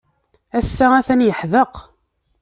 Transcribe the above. Ass-a, atan yeḥdeq.